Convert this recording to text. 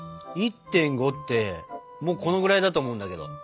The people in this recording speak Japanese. １．５ってこのぐらいだと思うんだけど。